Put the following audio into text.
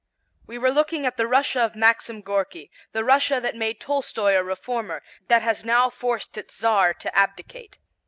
We were looking at the Russia of Maxim Gorky, the Russia that made Tolstoy a reformer; that has now forced its Czar to abdicate.